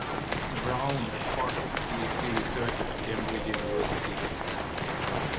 Brown as part of PhD research at Cambridge University in England.